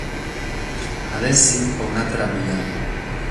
At a èssere pro un’àtera bia.